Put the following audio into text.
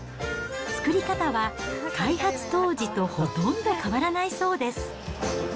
作り方は開発当時とほとんど変わらないそうです。